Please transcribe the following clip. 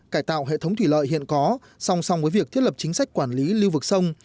cải tạo hệ thống thủy lợi hiện có song song với việc thiết lập chính sách quản lý lưu vực sông